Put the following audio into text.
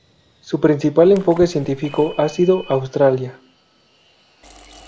Su principal enfoque científico ha sido Australia.